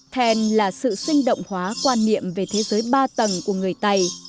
then là sự sinh động hóa quan niệm về thế giới ba tầng của người tày